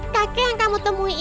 kakek yang kamu temui itu